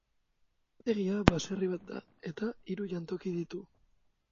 Erretegia baserri bat da, eta hiru jantoki ditu.